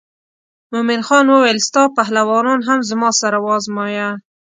مومن خان وویل ستا پهلوانان هم زما سره وازمایه.